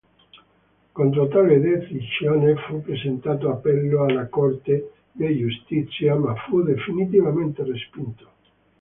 Contro tale decisione fu presentato appello alla Corte di giustizia, ma fu definitivamente respinto.